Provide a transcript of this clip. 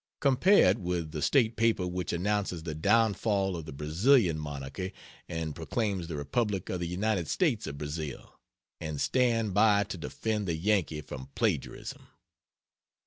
Compare it with the state paper which announces the downfall of the Brazilian monarchy and proclaims the Republic of the United States of Brazil, and stand by to defend the Yankee from plagiarism.